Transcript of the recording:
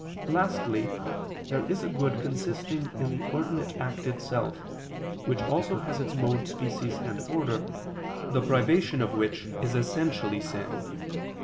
Lastly, there is a good consisting in the ordinate act itself, which also has its mode, species and order, the privation of which is essentially sin.